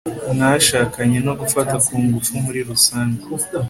mwashakanye no gufata ku ngufu muri rusange